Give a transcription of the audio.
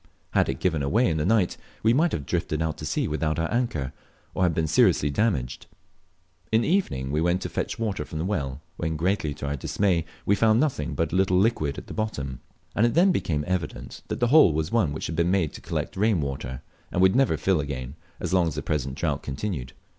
Had it given way in the night, we might have drifted out to sea without our anchor, or been seriously damaged. In the evening we went to fetch water from the well, when, greatly to our dismay, we found nothing but a little liquid mud at the bottom, and it then became evident that the hole was one which had been made to collect rain water, and would never fill again as long as the present drought continued.